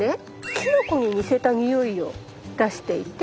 キノコに似せたニオイを出していて。